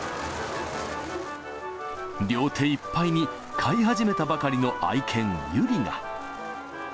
両手いっぱいに飼い始めたばかりの愛犬、由莉が。